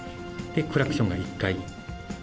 で、クラクションが１回。